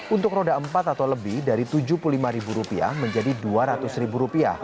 untuk roda empat atau lebih dari rp tujuh puluh lima menjadi rp dua ratus